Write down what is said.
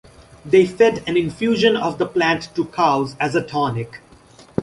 They fed an infusion of the plant to cows as a tonic.